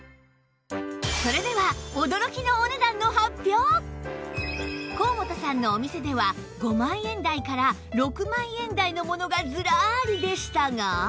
それでは高本さんのお店では５万円台から６万円台のものがズラリでしたが